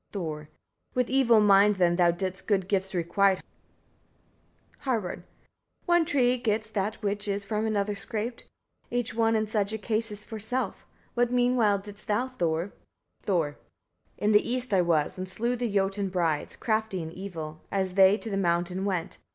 Thor. 21. With evil mind then thou didst good gifts requitè Harbard. 22. One tree gets that which, is from another scraped: each one in such case is for self. What meanwhile didst thou, Thor? Thor. 23. In the east I was, and slew the Jotun brides, crafty in evil, as they to the mountain went.